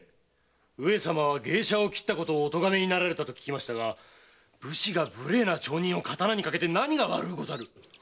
上様は芸者を斬ったことをお咎めになったと聞きましたが武士が無礼な町人を刀にかけて何が悪うござる？